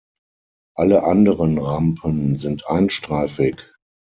Alle anderen Rampen sind einstreifig.